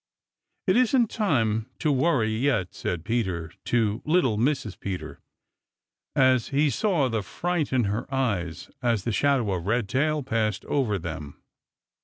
"It isn't time to worry yet," said Peter to little Mrs. Peter, as he saw the fright in her eyes as the shadow of Redtail passed over them.